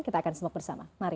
kita akan semak bersama mari